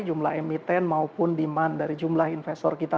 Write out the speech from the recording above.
jumlah emiten maupun demand dari jumlah investor kita